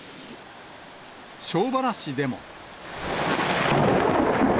庄原市でも。